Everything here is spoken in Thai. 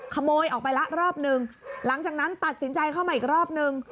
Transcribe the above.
ขโมยออกไปละรอบหนึ่งหลังจากนั้นตัดสินใจเข้ามาอีกรอบนึง